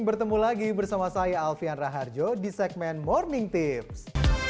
bertemu lagi bersama saya alfian raharjo di segmen morning tips